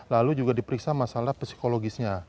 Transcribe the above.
lalu juga diperiksa masalah psikologisnya